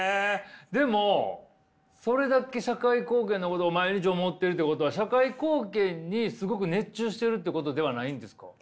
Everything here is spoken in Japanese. でもそれだけ社会貢献のことを毎日思っているってことは社会貢献にすごく熱中しているってことではないんですか？